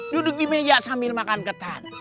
duduk di meja sambil makan ketan